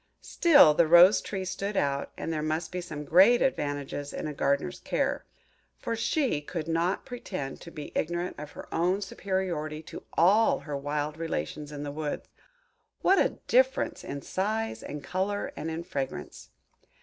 Still the Rose tree stood out that there must be some great advantages in a Gardener's care; for she could not pretend to be ignorant of her own superiority to all her wild relations in the woods. What a difference in size, in colour, and in fragrance!